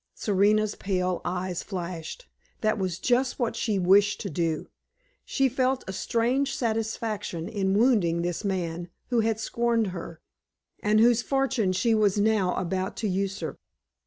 Serena's pale eyes flashed. That was just what she wished to do. She felt a strange satisfaction in wounding this man who had scorned her, and whose fortune she was now about to usurp.